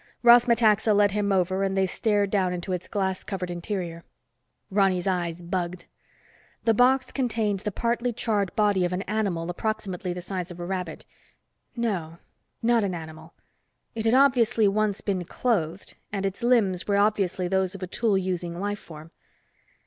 Ross Metaxa led him over and they stared down into its glass covered interior. Ronny's eyes bugged. The box contained the partly charred body of an animal approximately the size of a rabbit. No, not an animal. It had obviously once been clothed, and its limbs were obviously those of a tool using life form.